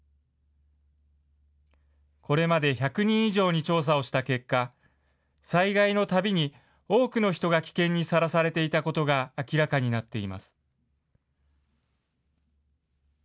これまで１００人以上に調査した結果、災害のたびに、多くの人が危険にさらされていたことが明らかになっています。